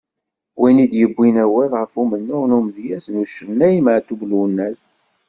Win i d-yewwin awal ɣef umennuɣ n umedyaz d ucennay Meɛtub Lwennas.